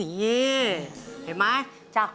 นี่เห็นไหม